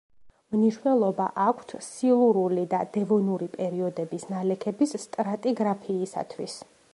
მნიშვნელობა აქვთ სილურული და დევონური პერიოდების ნალექების სტრატიგრაფიისათვის.